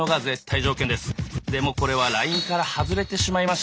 でもこれはラインから外れてしまいましたね。